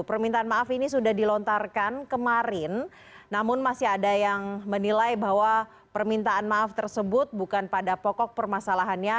permintaan maaf ini sudah dilontarkan kemarin namun masih ada yang menilai bahwa permintaan maaf tersebut bukan pada pokok permasalahannya